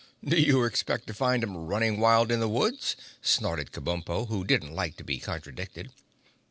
"Do you expect to find 'em running wild in the woods?" snorted Kabumpo, who didn't like to be contradicted.